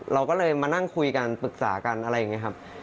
เราก็เลยมานั่งคุยกันปรึกษากันอะไรอย่างนี้ครับ